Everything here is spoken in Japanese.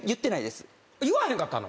言わへんかったの？